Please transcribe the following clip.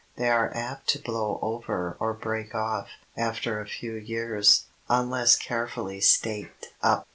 They are apt to blow over or break off after a few years, unless carefully staked up.